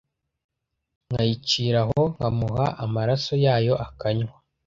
nkayicira aho nkamuha amaraso yayo akanywa,